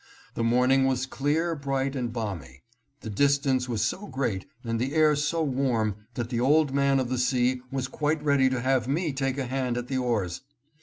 The morning was clear, bright and balmy. The distance was so great and the air so warm that the old man of the sea was quite ready to have me take a hand at the oars.